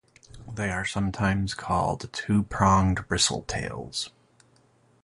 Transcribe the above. They are sometimes called "two-pronged bristletails".